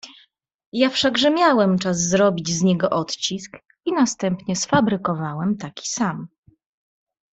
"Ja wszakże miałem czas zrobić z niego odcisk i następnie sfabrykowałem taki sam."